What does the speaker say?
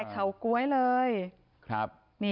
เจ๋งของทุกคน